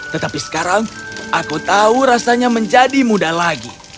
tetapi sekarang aku tahu rasanya menjadi muda lagi